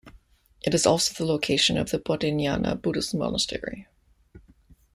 It is also the location of the Bodhinyana Buddhist Monastery.